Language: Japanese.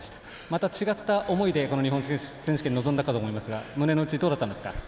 また違った思いでこの日本選手権臨んだかと思いますが胸の内、どうだったんですか？